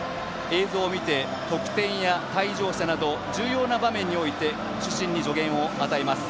映像を見て得点や退場者など重要な場面において主審に助言を与えます。